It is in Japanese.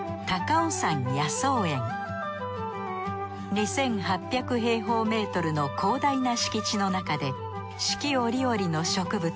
２，８００平方メートルの広大な敷地の中で四季折々の植物